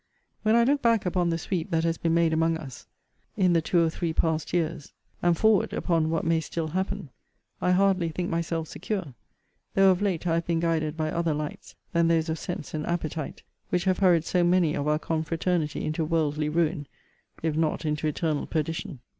When I look back upon the sweep that has been made among us in the two or three past years, and forward upon what may still happen, I hardly think myself secure; though of late I have been guided by other lights than those of sense and appetite, which have hurried so many of our confraternity into worldly ruin, if not into eternal perdition.